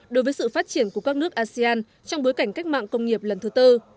đối với sự phát triển của các nước asean trong bối cảnh cách mạng công nghiệp lần thứ tư